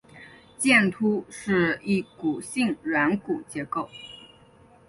剑突是一骨性软骨结构。